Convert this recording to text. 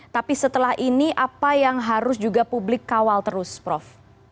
tapi setelah ini apa yang harus juga publik kawal terus prof